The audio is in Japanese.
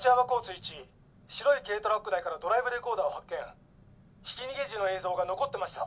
１白い軽トラック内からドライブレコーダーを発見ひき逃げ時の映像が残ってました。